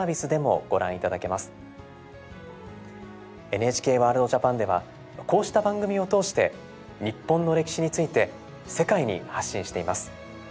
「ＮＨＫワールドＪＡＰＡＮ」ではこうした番組を通して日本の歴史について世界に発信しています。